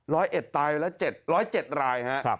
ร้อยเอ็ดตายแล้ว๑๐๗ลายฮะ